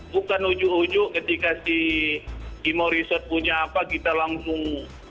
bukan ujuk ujuk ketika si timor resort punya apa kita langsung